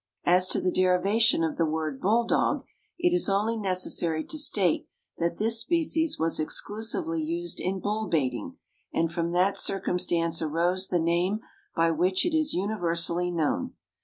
As to the derivation of the word bull dog, it is only necessary to state that this species was exclusively used in bull baiting, and from that circumstance arose the name by which it is universally known.